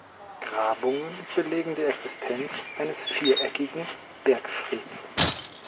Grabungen belegen die Existenz eines viereckigen Bergfrieds.